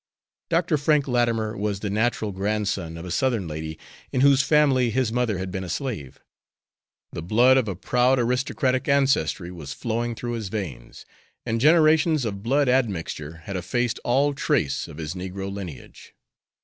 Dr. Frank Latimer was the natural grandson of a Southern lady, in whose family his mother had been a slave. The blood of a proud aristocratic ancestry was flowing through his veins, and generations of blood admixture had effaced all trace of his negro lineage.